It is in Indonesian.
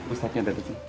pak ustaznya ada di sini